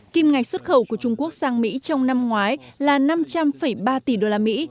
kim ngạch xuất khẩu của trung quốc sang mỹ trong năm ngoái là năm trăm linh ba tỷ đô la mỹ